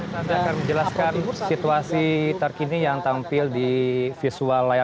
nanti akan menjelaskan situasi terkini yang tampil di visual layar